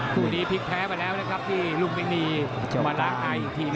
ผู้ดีพลิกแพ้ไปแล้วนะครับที่ลุงเมคนีมาต่างหายอีกทีหนึ่ง